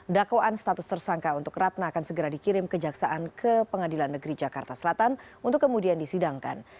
dakwaan status tersangka untuk ratna akan segera dikirim kejaksaan ke pengadilan negeri jakarta selatan untuk kemudian disidangkan